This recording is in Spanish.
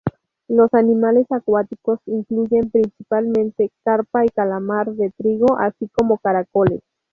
Los animales acuáticos incluyen principalmente carpa y calamar de trigo, así como caracoles.